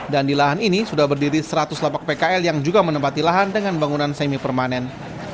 dan di lahan ini sudah berdiri seratus lapak pkl yang juga menempati lahan dengan bangunan semi permanen